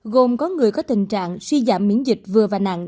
gồm có người có tình trạng suy giảm miễn dịch vừa và nặng